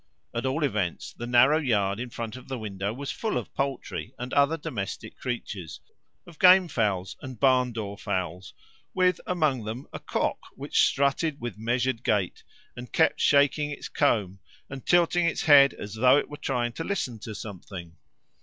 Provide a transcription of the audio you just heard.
At all events, the narrow yard in front of the window was full of poultry and other domestic creatures of game fowls and barn door fowls, with, among them, a cock which strutted with measured gait, and kept shaking its comb, and tilting its head as though it were trying to listen to something.